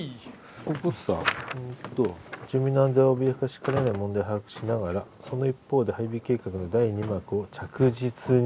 ここさえと「住民の安全を脅かしかねない問題を把握しながらその一方で配備計画の第二幕を着実に」。